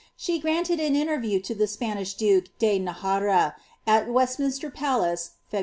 She granted on interview to the Spanish duke de Nejara, al Westminster Palace, Feb.